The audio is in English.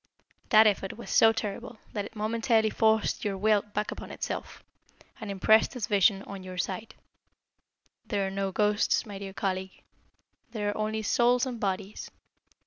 That effort was so terrible that it momentarily forced your will back upon itself, and impressed his vision on your sight. There are no ghosts, my dear colleague. There are only souls and bodies.